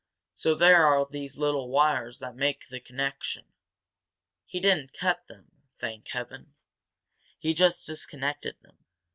So there are these little wires that make the connection. He didn't cut them, thank Heaven! He just disconnected them.